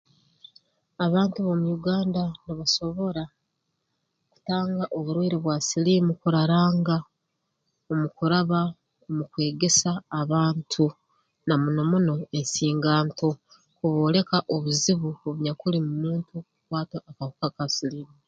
Abantu b'omu Uganda nibasobora kutanga oburwaire bwa siliimu kuraranga mu kuraba mu kwegesa abantu na muno muno ensinganto okubooleka obuzibu obunyakuli mu muntu okukwatwa akahuka ka siliimu